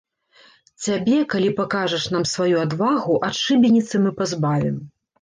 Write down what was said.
Цябе, калі пакажаш нам сваю адвагу, ад шыбеніцы мы пазбавім!